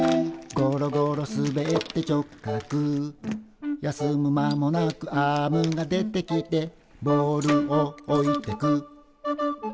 「ごろごろすべって直角」「休む間もなくアームが出てきて」「ボールをおいてく」